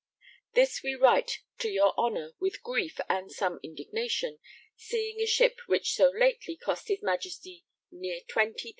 This we write to your Honour with grief and some just indignation, seeing a ship which so lately cost His Majesty near 20,000_l.